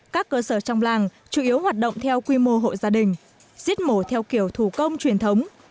các cơ sở trong làng chủ yếu hoạt động theo quy mô hộ gia đình giết mổ theo kiểu thủ công truyền thống